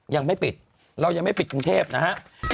ยังไม่ปิดเรายังไม่ปิดกรุงเทพนะฮะ